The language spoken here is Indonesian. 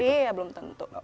iya belum tentu